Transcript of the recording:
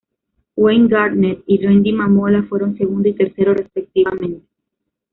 Wayne Gardner y Randy Mamola fueron segundo y tercero respectivamente.